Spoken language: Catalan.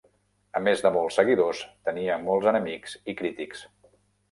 A més de molts de seguidors, tenia molts enemics i crítics.